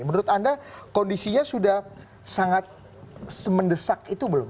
menurut anda kondisinya sudah sangat se mendesak itu belum